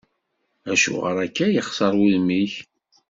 Acuɣer akka yexseṛ wudem-ik?